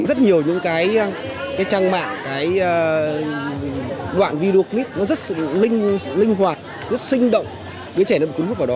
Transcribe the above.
rất nhiều những trang mạng đoạn video clip rất linh hoạt rất sinh động đứa trẻ đã bị cung cấp vào đó